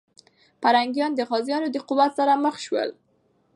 پرنګیان د غازيانو د قوت سره مخ سول.